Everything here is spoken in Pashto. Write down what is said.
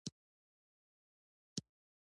ښکاري په ځان باور لري.